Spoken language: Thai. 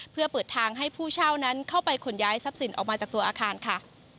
เพื่อเปิดทางให้ผู้เช่านั้นเข้าไปขนย้ายทรัพย์สินออกมาจากตัวอาคารค่ะ